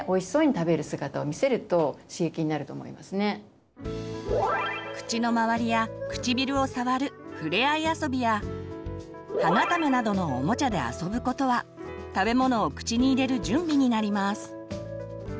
子どもの目線で口の周りや唇を触るふれあい遊びや歯固めなどのおもちゃで遊ぶことは食べ物を口に入れる準備になります。